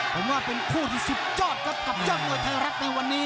ผมว่าเป็นผู้ที่๑๐ยอดกลับมากกับเจ้าหน้าไทยรักที่วันนี้